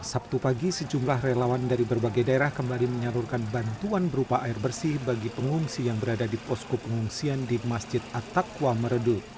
sabtu pagi sejumlah relawan dari berbagai daerah kembali menyalurkan bantuan berupa air bersih bagi pengungsi yang berada di posko pengungsian di masjid attaqwa meredu